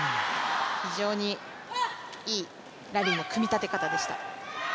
非常にいいラリーの組み立て方でした。